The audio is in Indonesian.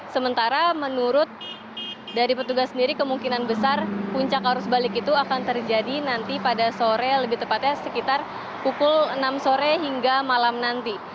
sementara menurut dari petugas sendiri kemungkinan besar puncak arus balik itu akan terjadi nanti pada sore lebih tepatnya sekitar pukul enam sore hingga malam nanti